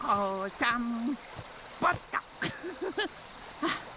あっ。